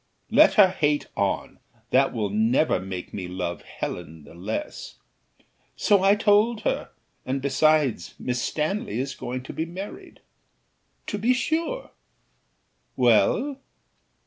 "Let her hate on, that will never make me love Helen the less." "So I told her; and besides, Miss Stanley is going to be married." "To be sure; well?"